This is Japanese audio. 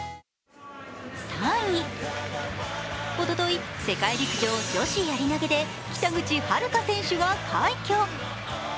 ３位、おととい世界陸上女子やり投で北口榛花選手が快挙。